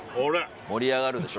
盛り上がるでしょ。